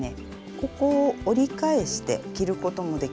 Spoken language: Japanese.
ここを折り返して着ることもできるんです。